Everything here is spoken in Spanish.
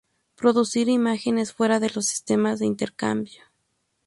Producir imágenes fuera de los sistemas de intercambio